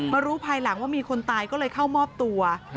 รู้ภายหลังว่ามีคนตายก็เลยเข้ามอบตัว